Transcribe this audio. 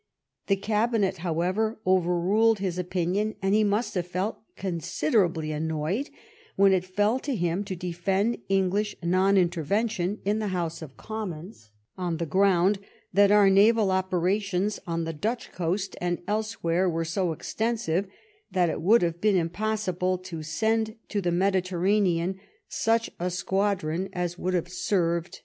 The Cabinet, however, overruled his opinion, and he must have felt considerably annoyed when it fell to him to defend English non intervention in the House of Commons, on the ground that our naval operations on the Dutch coast and elsewhere were so extensive, that it would have been impossible to send to the Mediterranean such a squadron as would have served THE QUADRILATERAL ALLIANCE.